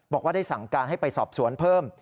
บอกว่าได้สั่งการให้ไปสอบสวนเพิ่ม